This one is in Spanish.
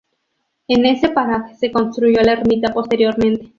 En ese paraje se construyó la ermita posteriormente.